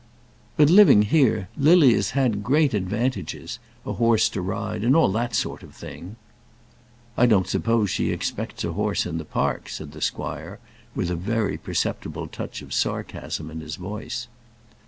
"But living here, Lily has had great advantages, a horse to ride, and all that sort of thing." "I don't suppose she expects a horse in the park," said the squire, with a very perceptible touch of sarcasm in his voice.